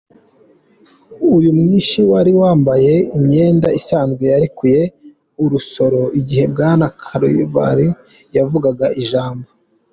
Uyu mwishi, wari wambaye imyenda isanzwe, yarekuye urusoro igihe Bwana Karlov yavugaga ijambo.